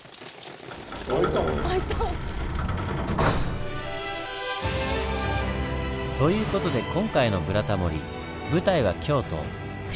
開いた。という事で今回の「ブラタモリ」舞台は京都・伏見です。